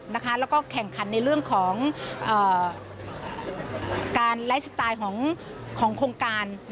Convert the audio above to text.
แล้วก็แข่งขันในเรื่องของการไลฟ์สไตล์ของโครงการ